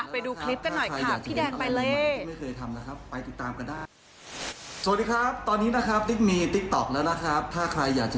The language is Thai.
ไปดูคลิปกันหน่อยค่ะพี่แดงใบเลข